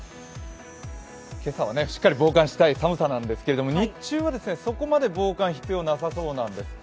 今朝はしっかり防寒したい寒さなんですけど日中はそこまで防寒必要なさそうなんですよね。